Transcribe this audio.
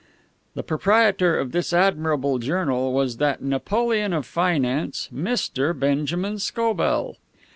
The proprietor of this admirable journal was that Napoleon of finance, Mr. Benjamin Scobell.